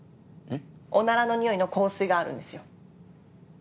おならのにおいの香水があるんですよ。